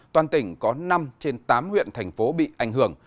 toàn tỉnh có năm trên tám huyện thành phố bị ảnh hưởng